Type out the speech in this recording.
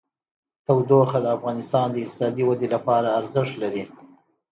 تودوخه د افغانستان د اقتصادي ودې لپاره ارزښت لري.